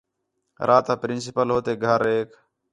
راتا پرنسپل ہو تے گھریک